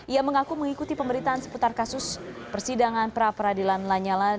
ia mengaku mengikuti pemberitaan seputar kasus persidangan pra peradilan lanyala